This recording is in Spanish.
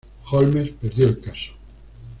Holmes perdió el caso.